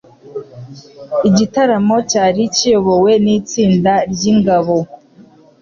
Igitaramo cyari kiyobowe nitsinda ryingabo.